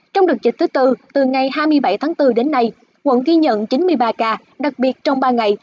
trong đợt dịch thứ tư từ ngày hai mươi bảy tháng bốn đến nay quận ghi nhận chín mươi ba ca đặc biệt trong ba ngày